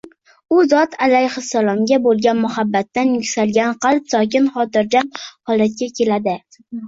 U zot alayhissalomga bo‘lgan muhabbatdan yuksalgan qalb sokin, hotirjam holatga keladi